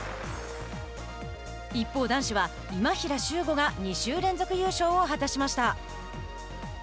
一方男子は、今平周吾が２週連続優勝を果たしました。